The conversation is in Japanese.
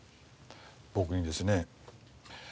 僕にですね